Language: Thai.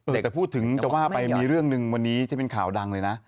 แต่จะพูดถึงจะว่าไปมีเรื่องหนึ่งวันนี้ที่เป็นข่าวดังเลยนะ